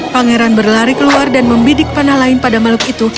pangeran berlari keluar dan membidik panah lain pada makhluk itu